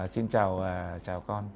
xin chào chào con